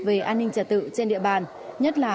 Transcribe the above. về an ninh trả tự trên địa bàn nhất là